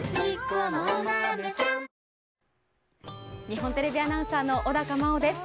日本テレビアナウンサーの小高茉緒です。